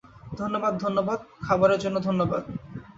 ধন্যবাদ, ধন্যবাদ, খাবারের জন্য ধন্যবাদ।